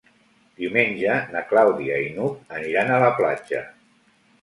Diumenge na Clàudia i n'Hug aniran a la platja.